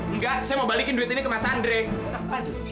enggak saya mau balikin duit ini ke mas andre